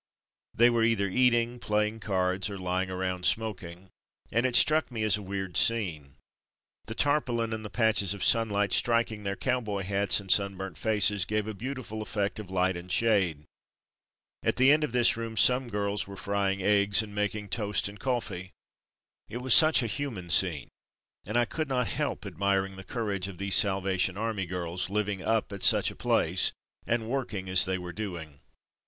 They were either eating, playing cards, or lying around smok ing, and it struck me as a weird scene. The tarpaulin and the patches of sunlight striking their cowboy hats and sunburnt faces gave a beautiful effect of light and shade. At the end of this room some girls were frying eggs, and making toast and coffee. It was such a human scene, and I could not help admiring the courage of 278 From Mud to Mufti these Salvation Army girls, living up at such a place, and working as they were doing.